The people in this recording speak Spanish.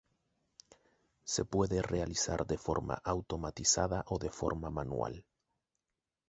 Se puede realizar de forma automatizada o de forma manual.